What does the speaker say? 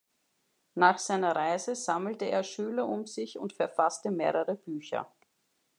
Nach seiner Reise sammelte er Schüler um sich und verfasste mehrere Bücher.